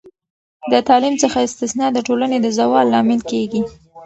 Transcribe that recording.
د تعلیم څخه استثنا د ټولنې د زوال لامل کیږي.